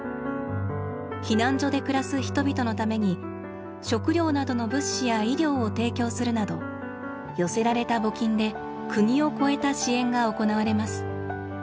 避難所で暮らす人々のために食料などの物資や医療を提供するなど寄せられた募金で国を超えた支援が行われます。